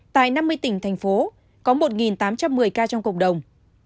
tại năm mươi tỉnh thành phố có một tám trăm một mươi ca trong cộng đồng